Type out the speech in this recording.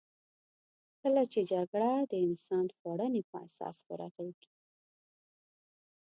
کله چې جګړه د انسان خوړنې په اساس ورغېږې.